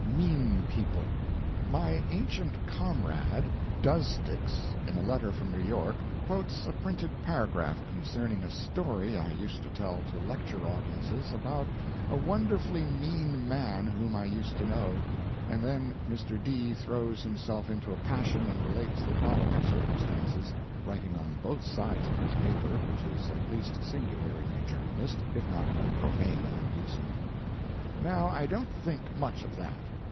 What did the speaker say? MEAN PEOPLE. My ancient comrade, "Doesticks," in a letter from New York, quotes a printed paragraph concerning a story I used to tell to lecture audiences about a wonderfully mean man whom I used to know, and then Mr. D. throws himself into a passion and relates the following circumstance (writing on both sides of his paper, which is at least singular in a journalist, if not profane and indecent): Now I don't think much of that.